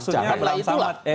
janganlah itu lah